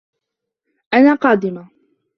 أنا قادمة.